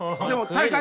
大会。